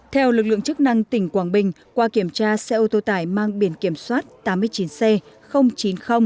theo lực lượng chức năng tỉnh quảng bình qua kiểm tra xe ô tô tải mang biển kiểm soát tám mươi chín c chín nghìn ba mươi một